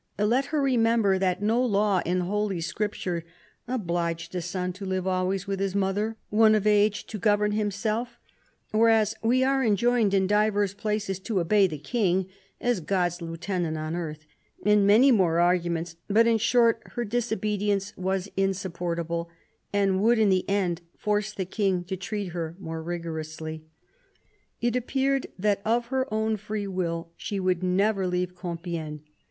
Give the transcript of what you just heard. Let her remember that no law in Holy Scripture obliged a son to live always with his mother when of age to govern himself, whereas we are enjoined in divers places to obey the King, as God's lieutenant on earth. And many more arguments ; but in short, her disobedience was insupport able, and would in the end force the King to treat her more rigorously. It appeared that of her own free will she would never leave Compiegne.